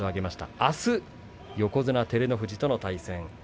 あすは横綱照ノ富士との対戦です。